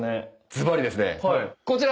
ずばりですねこちら。